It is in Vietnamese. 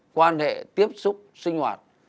quan hệ tiếp xúc sinh hoạt